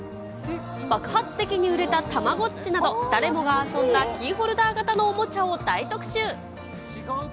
爆発的に売れたたまごっちなど、誰もが遊んだキーホルダー型のおもちゃを大特集。